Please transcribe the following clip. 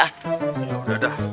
ya udah dah